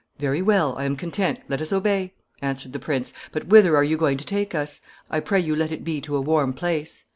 "Very well; I am content; let us obey," answered the prince: "but whither are you going to take us? I pray you let it be to a warm place."